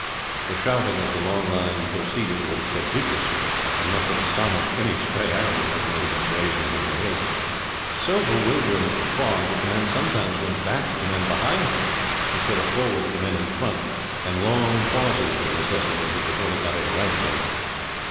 The shouting as the long line proceeded was prodigious, and must have astonished any stray animals that might have been grazing among the hills. So bewildering was the fog that the men sometimes went back to the men behind them instead of forward to the men in front, and long pauses were necessitated before they got right again.